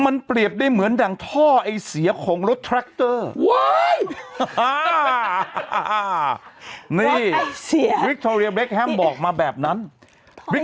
มันเปรียบได้เหมือนดังท่อไอเสียของรถแทรคเตอร์